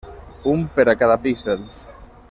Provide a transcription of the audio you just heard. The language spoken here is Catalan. Un per a cada píxel.